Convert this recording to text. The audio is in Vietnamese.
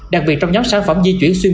đặc biệt trong nhóm sản phẩm di chuyển xuyên